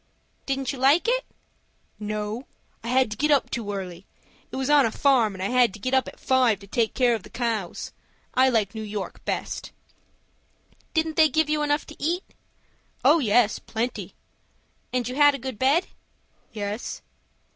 "Didn't you like it?" "No, I had to get up too early. It was on a farm, and I had to get up at five to take care of the cows. I like New York best." "Didn't they give you enough to eat?" "Oh, yes, plenty." "And you had a good bed?" "Yes."